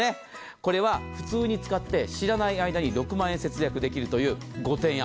これは普通に使って知らない間に６万円節約できるという御提案。